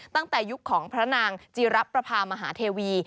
ตั้งแต่ยุคของพระนางจีระประพามหาเทวี